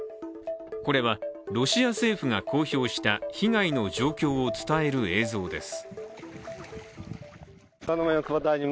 これはロシア政府が公表した被害の状況を伝える映像です。